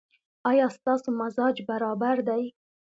ایا ستاسو مزاج برابر دی؟